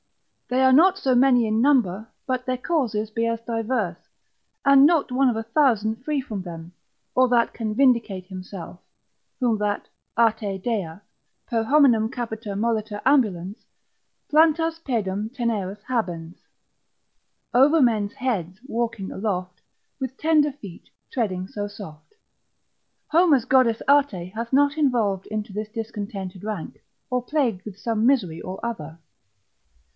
They are not so many in number, but their causes be as divers, and not one of a thousand free from them, or that can vindicate himself, whom that Ate dea, Per hominum capita molliter ambulans, Plantas pedum teneras habens: Over men's heads walking aloft, With tender feet treading so soft, Homer's Goddess Ate hath not involved into this discontented rank, or plagued with some misery or other.